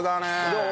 どう？